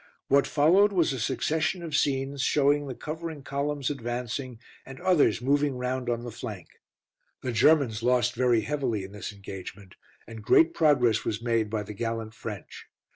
What followed was a succession of scenes, showing the covering columns advancing and others moving round on the flank. The Germans lost very heavily in this engagement, and great progress was made by the gallant French.